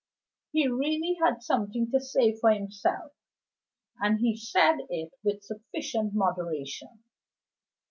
He really had something to say for himself, and he said it with sufficient moderation.